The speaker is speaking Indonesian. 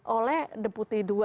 oleh deputi ii